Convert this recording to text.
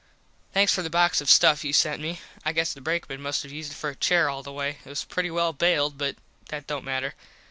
Thanks for the box of stuff you sent me. I guess the brakeman must have used it for a chair all the way. It was pretty well baled but that dont matter.